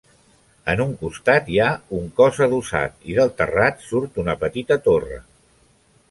En un costat hi ha un cos adossat i del terrat surt una petita torre.